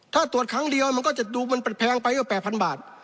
ถ้าตรวจครั้งเดียวมันก็จะดูมันแพงไปก็๘๐๐บาท